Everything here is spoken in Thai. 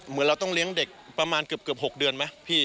เหมือนเราต้องเลี้ยงเด็กประมาณเกือบ๖เดือนไหมพี่